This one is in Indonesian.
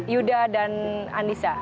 yuda dan andisa